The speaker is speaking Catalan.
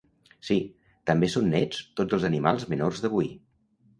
Sí, també són nets tots els animals menors d'avui.